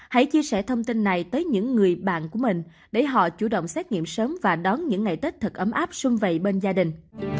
hãy chia sẻ thông tin này tới những người bạn của mình để họ chủ động xét nghiệm sớm và đón những ngày tết thật ấm áp xuân vầy bên gia đình